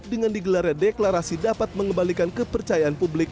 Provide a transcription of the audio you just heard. dengan digelarnya deklarasi dapat mengembalikan kepercayaan publik